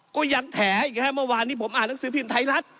ก็ยังแฉอีกครับเมื่อวานนี้ผมอ่านหนังสือพิมพ์ไทยรัฐ